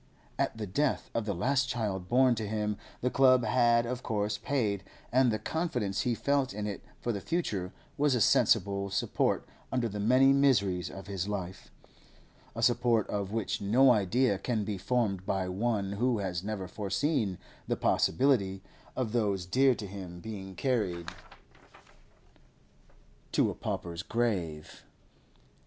At the death of the last child born to him the club had of course paid, and the confidence he felt in it for the future was a sensible support under the many miseries of his life, a support of which no idea can be formed by one who has never foreseen the possibility of those dear to him being carried to a pauper's grave.